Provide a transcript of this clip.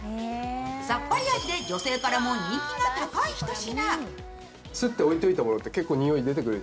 さっぱり味で女性からも人気が高いひと品。